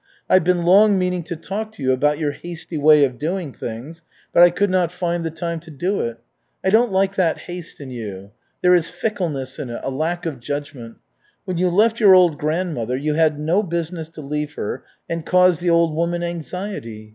I've been long meaning to talk to you about your hasty way of doing things, but I could not find the time to do it. I don't like that haste in you. There is fickleness in it, a lack of judgment. When you left your old grandmother, you had no business to leave her and cause the old woman anxiety.